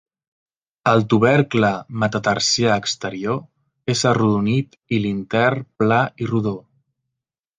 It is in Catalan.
El tubercle metatarsià exterior és arrodonit i l'intern pla i rodó.